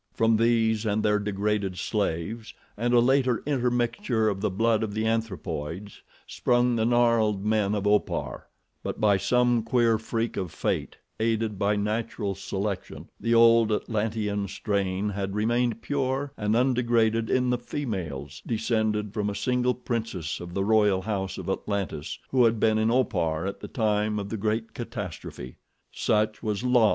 From these and their degraded slaves and a later intermixture of the blood of the anthropoids sprung the gnarled men of Opar; but by some queer freak of fate, aided by natural selection, the old Atlantean strain had remained pure and undegraded in the females descended from a single princess of the royal house of Atlantis who had been in Opar at the time of the great catastrophe. Such was La.